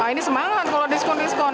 ini semangat kalau diskon diskon